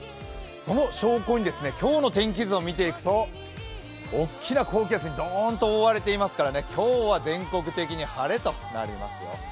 その証拠に、今日の天気図を見ていくと、大きな高気圧にドーンと覆われていますから今日は全国的に晴れとなりますよ。